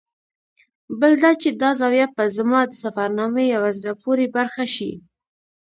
بل دا چې دا زاویه به زما د سفرنامې یوه زړه پورې برخه شي.